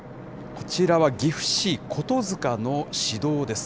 こちらは岐阜市琴塚の市道です。